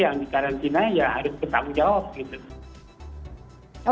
yang dikarantina ya harus bertanggung jawab gitu